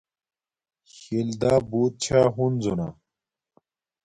شیلدا بوت چھا ہنزو نا